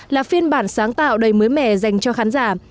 là phiên bản sáng tạo đầy mới mẻ dành cho khán giả